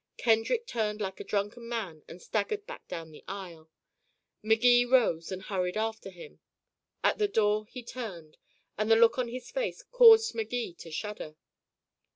Kendrick turned like a drunken man and staggered back down the aisle. Magee rose and hurried after him. At the door he turned, and the look on his face caused Magee to shudder.